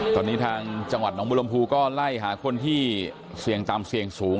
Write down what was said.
ตอนนี้ทางจังหวัดหนองบุรมภูก็ไล่หาคนที่เสี่ยงต่ำเสี่ยงสูง